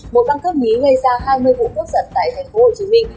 một băng cướp nhí gây ra hai mươi vụ cốt giận tại thành phố hồ chí minh